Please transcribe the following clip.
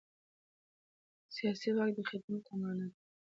سیاسي واک د خدمت امانت دی